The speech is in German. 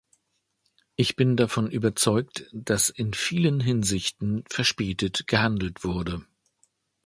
Ich bin davon überzeugt, dass in vielen Hinsichten verspätet gehandelt wurde.